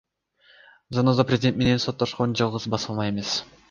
Заноза президент менен соттошкон жалгыз басылма эмес.